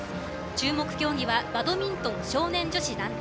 注目競技はバドミントン少年女子団体。